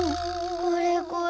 これこれ。